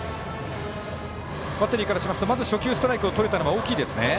バッテリーからしますと、初球ストレートをとれたのが大きいですね。